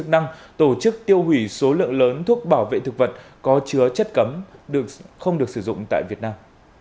chức năng tổ chức tiêu hủy số lượng lớn thuốc bảo vệ thực vật có chứa chất cấm không được sử dụng tại việt nam